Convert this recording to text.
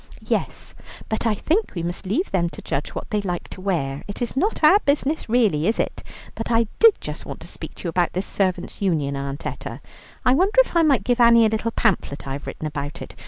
"Yes, but I think we must leave them to judge what they like to wear; it is not our business really, is it? But I did just want to speak to you about this Servants' Union, Aunt Etta. I wonder if I might give Annie a little pamphlet I have written about it.